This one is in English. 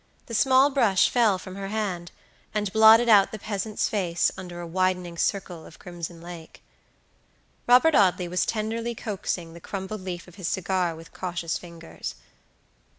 The small brush fell from her hand, and blotted out the peasant's face under a widening circle of crimson lake. Robert Audley was tenderly coaxing the crumbled leaf of his cigar with cautious fingers.